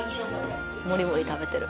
もりもり食べてる。